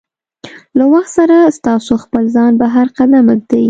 له وخت سره ستاسو خپل ځان بهر قدم ږدي.